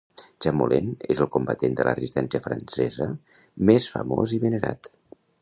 Jean Moulin és el combatent de la Resistència Francesa més famós i venerat.